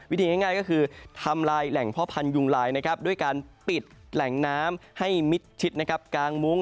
ง่ายก็คือทำลายแหล่งพ่อพันธุยุงลายนะครับด้วยการปิดแหล่งน้ำให้มิดชิดนะครับกางมุ้ง